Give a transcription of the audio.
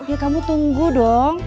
ya kamu tunggu dong